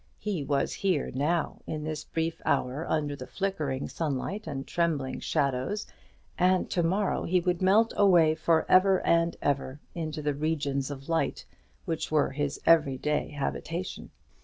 He was here now, in this brief hour, under the flickering sunlight and trembling shadows, and to morrow he would melt away for ever and ever into the regions of light, which were his every day habitation.